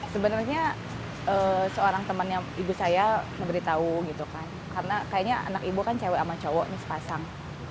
sebenarnya seorang teman ibu saya memberitahu karena kayaknya anak ibu kan cewek sama cowok sepasang